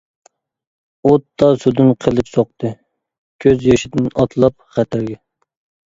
ئوتتا سۇدىن قىلىچ سوقتى، كۆز يېشىدىن ئاتلاپ خەتەرگە.